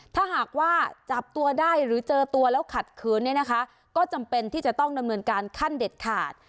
ถ้าหากว่าจับตัวได้หรือเจอตัวแล้วขัดขืนเนี่ยนะคะก็จำเป็นที่จะต้องดำเนินการขั้นเด็ดขาด